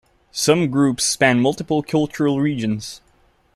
Some groups span multiple cultural regions.